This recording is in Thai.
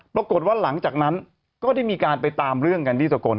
ปรากฏว่าหลังจากนั้นก็ได้มีการไปตามเรื่องกันที่สกล